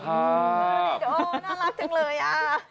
น่ารักจังเลยอะ